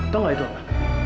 tau gak itu apa